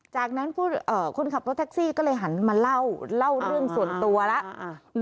จากนั้นคนขับรถแท็กซี่ก็เลยหันมาเล่าเรื่องส่วนตัวแล้ว